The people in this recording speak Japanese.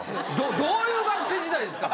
どういう学生時代ですか？